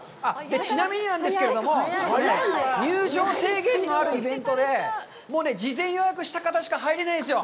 ちなみになんですけれども、ちょっとね、入場制限のあるイベントで、もうね、事前予約した方しか入れないんですよ。